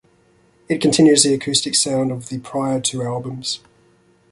It continues the acoustic sound of the prior two albums.